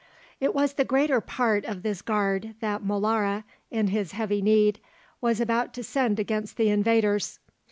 It was the greater part of this Guard that Molara, in his heavy need, was about to send against the invaders.